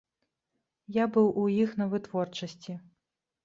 Я быў у іх на вытворчасці.